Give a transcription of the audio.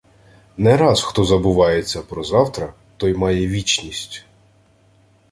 Не раз, хто забувається про завтра, той має вічність.